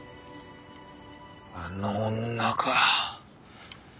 あの女か。